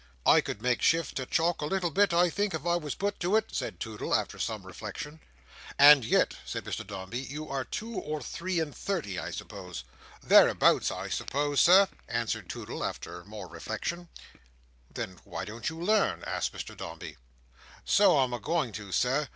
"I could make shift to chalk a little bit, I think, if I was put to it," said Toodle after some reflection. "And yet," said Mr Dombey, "you are two or three and thirty, I suppose?" "Thereabouts, I suppose, Sir," answered Toodle, after more reflection "Then why don't you learn?" asked Mr Dombey. "So I'm a going to, Sir.